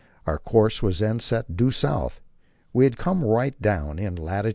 Our course was then set due south. We had come right down in lat.